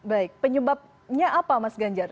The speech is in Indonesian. baik penyebabnya apa mas ganjar